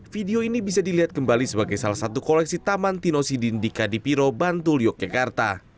video ini bisa dilihat kembali sebagai salah satu koleksi taman tino sidin di kadipiro bantul yogyakarta